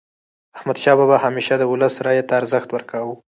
احمدشاه بابا به همیشه د ولس رایې ته ارزښت ورکاوه.